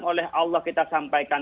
oleh allah kita sampaikan